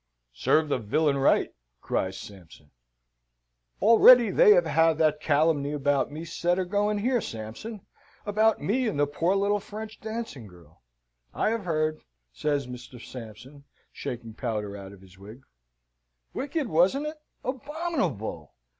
"Serve the villain right!" cries Sampson. "Already they have had that calumny about me set a going here, Sampson, about me and the poor little French dancing girl." "I have heard," says Mr. Sampson, shaking powder out of his wig. "Wicked; wasn't it?" "Abominable."